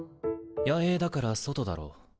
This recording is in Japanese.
野営だから外だろう。